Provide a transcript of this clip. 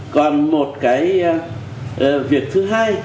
còn một cái việc thứ hai